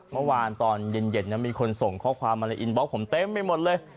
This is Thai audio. เมื่อวานตอนเย็นมีคนส่งข้อความมาในอินบล็กผมเต็มไปหมดเลย